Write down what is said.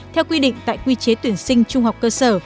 theo quy định tại quy chế tuyển sinh trung học cơ sở